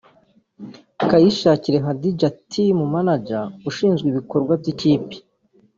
Kayishakire Hadidja (Team Manager/ushinzwe ibikorwa by’ikipe)